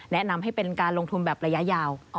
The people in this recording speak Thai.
แนะนำให้เป็นการลงทุนแบบระยะยาว